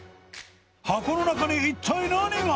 箱の中に一体何が？